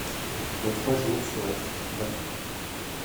Dans trois jours soit, va-t'en.